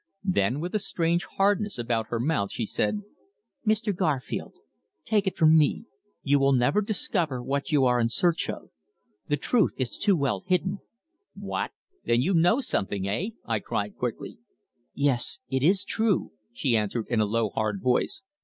Then, with a strange hardness about her mouth, she said: "Mr. Garfield, take it from me, you will never discover what you are in search of. The truth is too well hidden." "What? Then you know something eh?" I cried quickly. "Yes. It is true!" she answered in a low, hard voice.